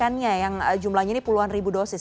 kebanyakannya yang jumlahnya ini puluhan ribu dosis